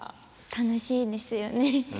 楽しいですよね。